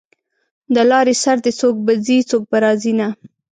د لارې سر دی څوک به ځي څوک به راځینه